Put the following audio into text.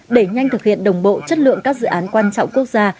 đẩy nhanh thực hiện đồng bộ chất lượng các dự án quan trọng quốc gia